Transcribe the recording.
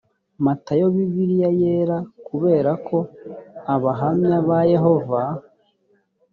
matayo bibiliya yera kubera ko abahamya ba yehova